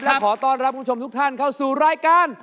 และขอต้อนรับคุณผู้ชมทุกท่านเข้าสู่รายการ